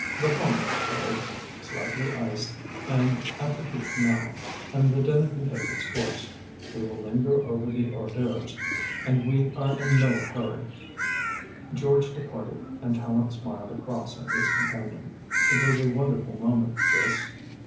"The Pommery, George, slightly iced, an aperitif now, and the dinner can take its course. We will linger over the hors d'oeuvres and we are in no hurry." George departed and Tallente smiled across at his companion. It was a wonderful moment, this.